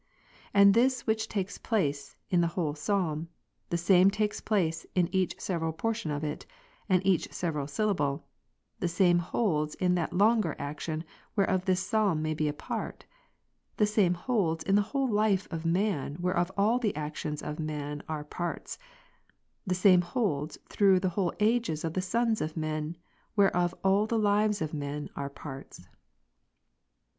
And this which takes place in the \ whole Psalm, the same takes place in each several portion of i it, and each several syllable; the same holds in that longer ac tion, whereof this Psalm may be a part ; the same holds in the whole life of man, whereof all the actions of man are parts ; the same holds through the whole age of the sons of men, whereof all the lives of men are parts.